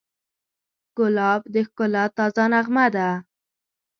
ګلاب د ښکلا تازه نغمه ده.